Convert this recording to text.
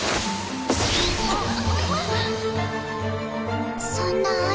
あっ！